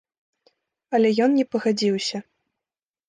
Але ён не пагадзіўся.